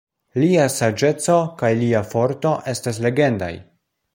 Lia saĝeco kaj lia forto estas legendaj.